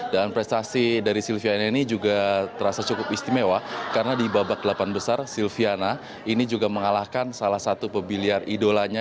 dan prestasi dari silviana ini juga terasa cukup istimewa karena di babak delapan besar silviana ini juga mengalahkan salah satu pebiliar idolanya